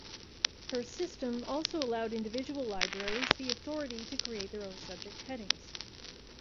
Her system also allowed individual libraries the authority to create their own subject headings.